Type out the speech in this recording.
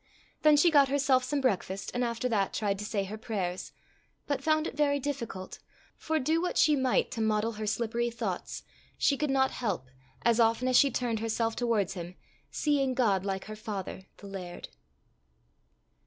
Then she got herself some breakfast, and after that tried to say her prayers, but found it very difficult, for, do what she might to model her slippery thoughts, she could not help, as often as she turned herself towards him, seeing God like her father, the laird.